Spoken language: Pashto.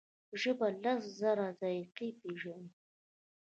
ژبه لس زره ذایقې پېژني.